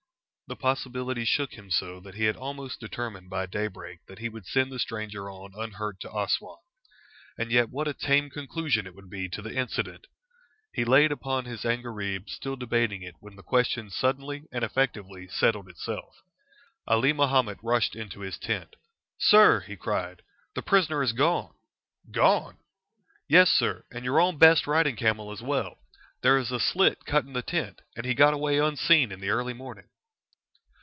The possibility shook him so that he had almost determined by daybreak that he would send the stranger on unhurt to Assouan. And yet what a tame conclusion it would be to the incident! He lay upon his angareeb still debating it when the question suddenly and effectively settled itself. Ali Mahomet rushed into his tent. "Sir," he cried, "the prisoner is gone!" "Gone!" "Yes, sir, and your own best riding camel as well. There is a slit cut in the tent, and he got away unseen in the early morning."